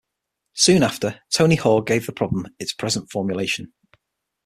Soon after, Tony Hoare gave the problem its present formulation.